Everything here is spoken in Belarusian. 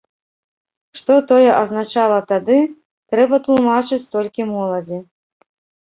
Што тое азначала тады, трэба тлумачыць толькі моладзі.